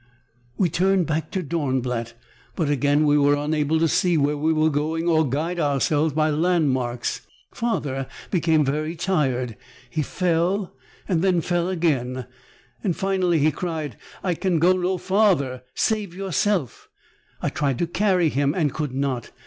"We turned back to Dornblatt, but again we were unable to see where we were going or guide ourselves by landmarks. Father became very tired. He fell, then fell again. Finally, he cried, 'I can go no farther! Save yourself!' I tried to carry him and could not.